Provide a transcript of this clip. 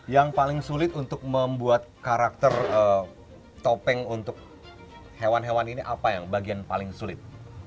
yang paling sulit untuk membuat karakter topeng untuk hewan hewan ini apa yang bagian paling sulit